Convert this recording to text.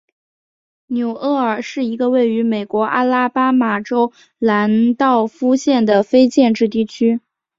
纽厄尔是一个位于美国阿拉巴马州兰道夫县的非建制地区。